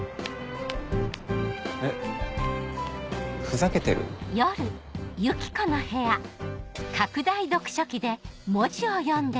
えっふざけてる？あっ。